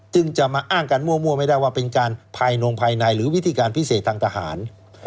จึงจะมาอ้างกันมั่วไม่ได้ว่าเป็นการภายนงภายในหรือวิธีการพิเศษทางทหาร